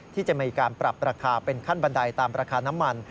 ที่จะมีการปรับราคาเป็นขั้นบันไดตามราคาน้ำมัน